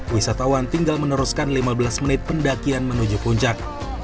wisatawan tinggal meneruskan lima belas menit pendakian menuju puncak